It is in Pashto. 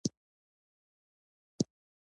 تاسو د خپل حساب امنیتي تنظیمات پخپله کولی شئ.